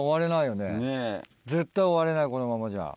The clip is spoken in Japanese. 絶対終われないこのままじゃ。